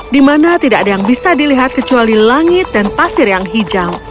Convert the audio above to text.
di mana tidak ada yang bisa dilihat kecuali langit dan pasir yang hijau